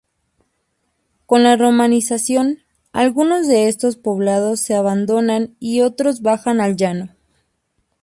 Con la romanización, algunos de estos poblados se abandonan y otros bajan al llano.